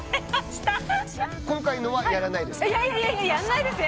今回のはやらないですか？